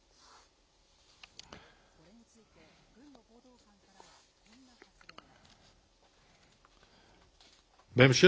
これについて、軍の報道官からはこんな発言が。